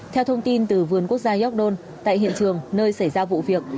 theo thông tin từ vườn quốc gia yorkdon tại hiện trường nơi xảy ra vụ việc